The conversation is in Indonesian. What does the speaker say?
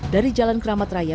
dari jalan keramat raya